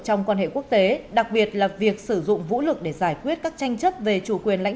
trong quan hệ quốc tế đặc biệt là việc sử dụng vũ lực để giải quyết các tranh chất về chủ quyền lãnh